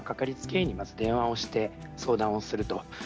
医に電話をして、相談をすると。